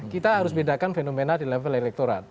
kita harus bedakan fenomena di level elektorat